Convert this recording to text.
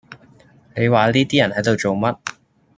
你話呢啲人喺度做乜